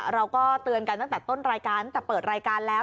เราก็เตือนกันตั้งแต่ต้นรายการตั้งแต่เปิดรายการแล้ว